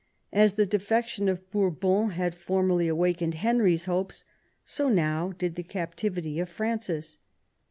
As the defection of Bourbon had formerly awakened Henry's hopes, so now did the captivity of Francis.